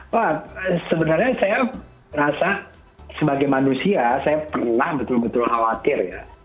pak sebenarnya saya rasa sebagai manusia saya pernah betul betul khawatir ya